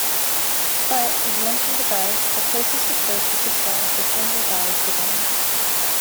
But, as mentioned above, the closest approach of the star has been revised again.